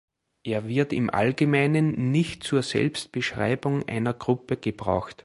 Er wird im Allgemeinen nicht zur Selbstbeschreibung einer Gruppe gebraucht.